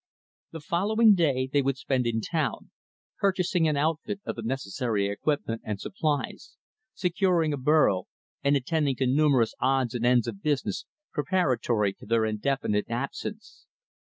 The following day, they would spend in town; purchasing an outfit of the necessary equipment and supplies, securing a burro, and attending to numerous odds and ends of business preparatory to their indefinite absence.